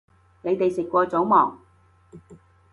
你哋食過早吂